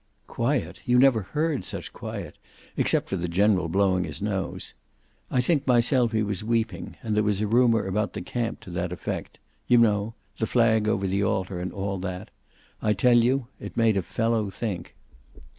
Quiet! You never heard such quiet except for the General blowing his nose. I think myself he was weeping, and there was a rumor about the camp to that effect. You know the flag over the altar, and all that. I tell you it made a fellow think.